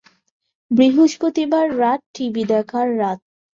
বৃহস্পতিবার রাত টিভি দেখার রাত।